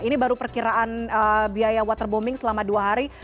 ini baru perkiraan biaya waterbombing selama dua hari